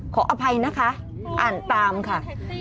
ขออภัยนะคะอ่านตามค่ะ